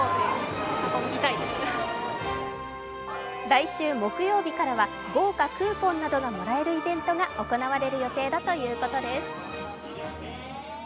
来週木曜日からは豪華クーポンなどがもらえるイベントが行われる予定だということです。